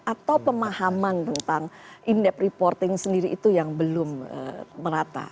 atau pemahaman tentang indeks reporting sendiri itu yang belum merata